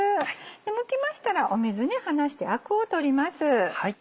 むきましたら水に放してアクを取ります。